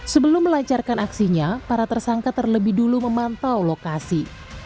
sebelum melancarkan aksinya para tersangka terlebih dulu memantau lokasi